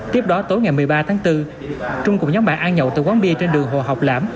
tiếp đó tối ngày một mươi ba tháng bốn trung cùng nhóm bạn ăn nhậu từ quán bia trên đường hồ học lãm